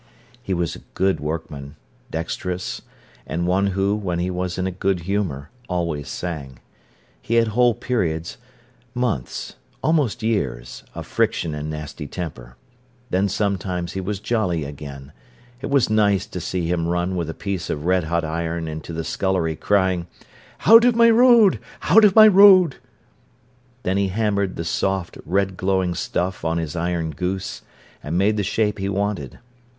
He was a good workman, dexterous, and one who, when he was in a good humour, always sang. He had whole periods, months, almost years, of friction and nasty temper. Then sometimes he was jolly again. It was nice to see him run with a piece of red hot iron into the scullery, crying: "Out of my road—out of my road!" Then he hammered the soft, red glowing stuff on his iron goose, and made the shape he wanted.